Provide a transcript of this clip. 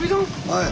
はい。